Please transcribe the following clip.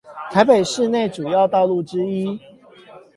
台北市內主要道路之一